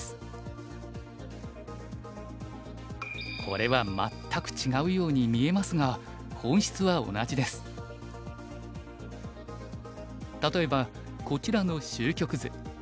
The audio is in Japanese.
これは全く違うように見えますが例えばこちらの終局図。